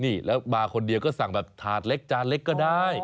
นี่แล้วมาคนเดียวก็สั่งแบบถาดเล็กจานเล็กก็ได้